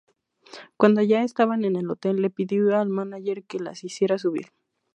Cuando ya estaban en el hotel, le pidió al mánager que las hiciera subir.